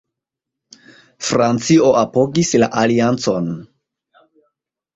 Francio apogis la aliancon.